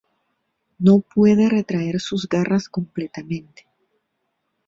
No puede retraer sus garras completamente.